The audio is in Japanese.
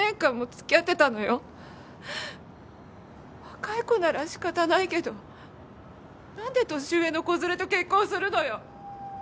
若い子なら仕方ないけどなんで年上の子連れと結婚するのよ。